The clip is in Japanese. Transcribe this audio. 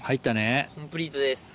コンプリートです。